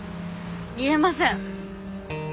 言えません。